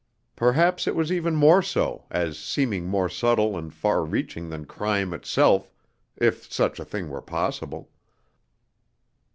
Perhaps it was even more so, as seeming more subtle and far reaching than crime itself, if such a thing were possible.